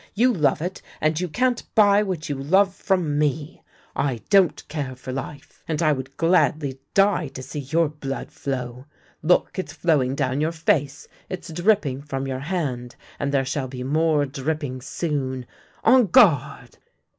You love it, and you can't buy what yot{ love from me. I don't care for life. 30 THE LANE THAT HAD NO TURNING and I would gladly die to see your blood flow. Look, it's flowing down your face; it's dripping from your hand, and there shall be more dripping soon! On guard!